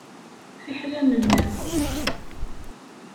Fiḥel ad nennaɣ!